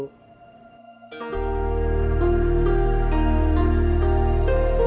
โปรดติดตามตอนต่อไป